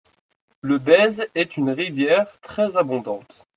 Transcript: Le Bez est une rivière très abondante.